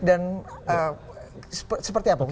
dan seperti apa